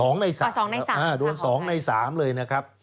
ใน๓ใน๓โดน๒ใน๓เลยนะครับ